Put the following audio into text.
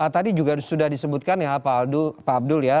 tadi juga sudah disebutkan ya pak abdul ya